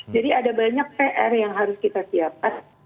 jadi ada banyak pr yang harus kita siapkan